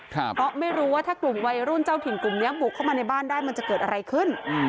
เพราะไม่รู้ว่าถ้ากลุ่มวัยรุ่นเจ้าถิ่นกลุ่มนี้บุกเข้ามาในบ้านได้มันจะเกิดอะไรขึ้น